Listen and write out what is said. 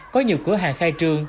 có nhiều cửa hàng khai trương